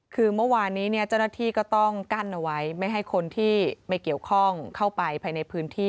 คือเมื่อวานนี้เจ้าหน้าที่ก็ต้องกั้นเอาไว้ไม่ให้คนที่ไม่เกี่ยวข้องเข้าไปภายในพื้นที่